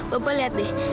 bapak lihat deh